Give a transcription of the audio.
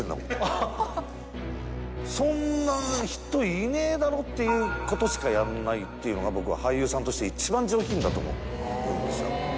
「そんな人いねえだろ」っていうことしかやんないっていうのが僕は俳優さんとして一番上品だと思うんですよ。